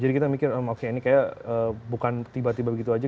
jadi kita mikir oke ini kayak bukan tiba tiba begitu aja